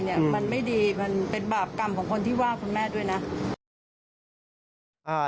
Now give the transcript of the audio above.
เนี่ยมันไม่ดีมันเป็นบาปกรรมของคนที่ว่าคุณแม่ด้วยนะ